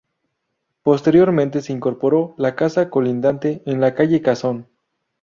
Posteriormente se incorporó la casa colindante en la calle Cazón.